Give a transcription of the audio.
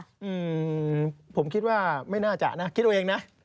อืมผมคิดว่าไม่น่าจะนะคิดเอาเองนะ